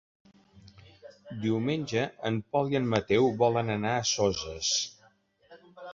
Diumenge en Pol i en Mateu volen anar a Soses.